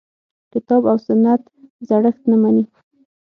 کتاب او سنت زړښت نه مني.